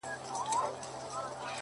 • څراغه بلي لمبې وکړه,